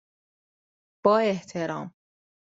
با احترام،